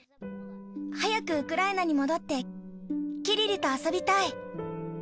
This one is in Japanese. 早くウクライナに戻って、キリルと遊びたい。